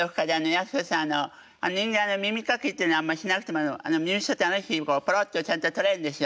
泰子さんあの人間耳かきっていうのはあんまりしなくても耳くそってある日ポロッとちゃんと取れるんですよ。